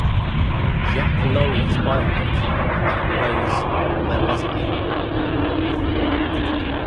Jacques Laurey's biopic about Rose, Where Was I?